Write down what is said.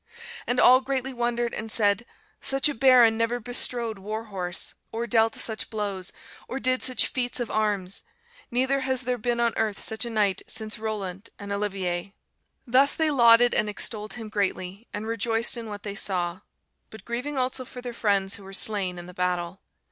And all greatly wondered, and said, 'Such a baron never bestrode war horse, or dealt such blows, or did such feats of arms; neither has there been on earth such a knight since Rollant and Olivier.' "Thus they lauded and extolled him greatly, and rejoiced in what they saw; but grieving also for their friends who were slain in the battle.